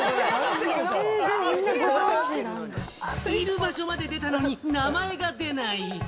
場所まで出たのに名前が出ない！